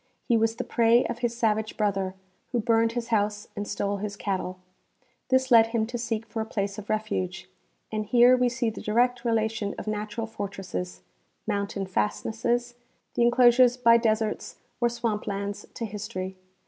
He was the prey of his savage brother, who burned his house and stole his cattle. This led him to seek for a place of refuge, and here we see the direct relation of natural fortresses, mountain fastnesses, the inclosures by deserts or swamp lands, to history.